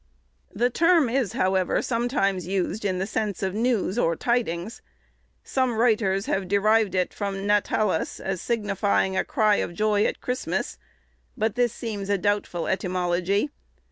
The term is, however, sometimes used in the sense of news or tidings. Some writers have derived it from natalis, as signifying a cry of joy at Christmas, but this seems a doubtful etymology.